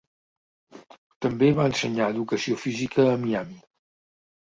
També va ensenyar educació física a Miami.